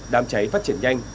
đám cháy phát triển nhanh